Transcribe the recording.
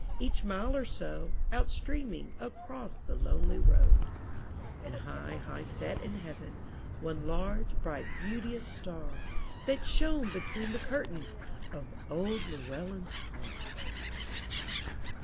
Each mile or so, out streaming Across the lonely road; And high, high set in heaven, One large, bright, beauteous star, That shone between the curtains Of old Llewellyn's car.